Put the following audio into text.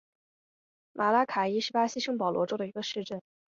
马拉卡伊是巴西圣保罗州的一个市镇。